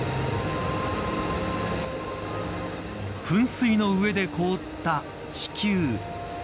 噴水の上で凍った地球。